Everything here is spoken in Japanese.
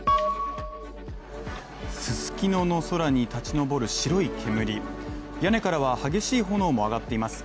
ススキノの空に立ち上る白い煙、屋根からは激しい炎も上がっています。